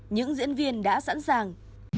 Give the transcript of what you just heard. những diễn viên đã sẵn sàng